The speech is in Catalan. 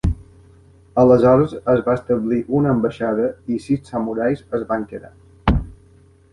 Aleshores es va establir una ambaixada i sis samurais es van quedar.